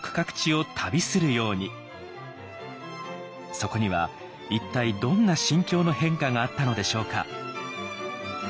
そこには一体どんな心境の変化があったのでしょうか。